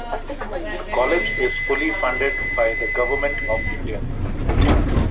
The college is fully funded by the Government of India.